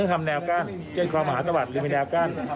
ต้องทำแนวกั้นเช่นคลองมหาสวรรค์มีแนวกั้น